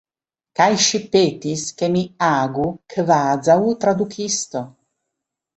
Kaj ŝi petis, ke mi agu kvazaŭ tradukisto.